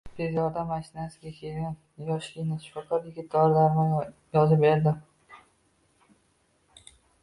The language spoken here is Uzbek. Tez yordam mashinasida kelgan yoshgina shifokor yigit dori-darmon yozib berdi